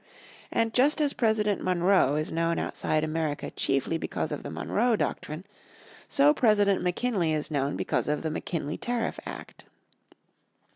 And just as President Monroe is known outside America chiefly because of the Monroe Doctrine, so President McKinley is known because of the McKinley Tariff Act.